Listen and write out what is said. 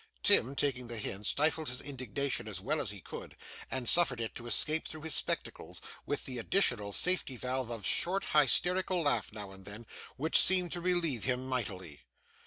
Tim, taking the hint, stifled his indignation as well as he could, and suffered it to escape through his spectacles, with the additional safety valve of a short hysterical laugh now and then, which seemed to relieve him mightily.